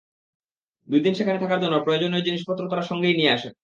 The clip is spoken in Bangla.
দুই দিন সেখানে থাকার জন্য প্রয়োজনীয় জিনিসপত্র তাঁরা সঙ্গেই নিয়ে আসেন।